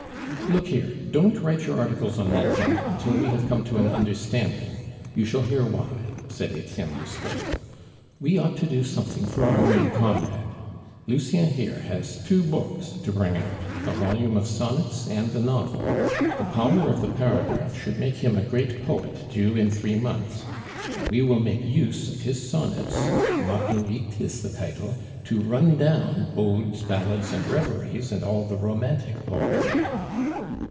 "Look here! don't write your articles on Nathan until we have come to an understanding; you shall hear why," said Etienne Lousteau. "We ought to do something for our new comrade. Lucien here has two books to bring out a volume of sonnets and a novel. The power of the paragraph should make him a great poet due in three months; and we will make use of his sonnets (Marguerites is the title) to run down odes, ballads, and reveries, and all the Romantic poetry."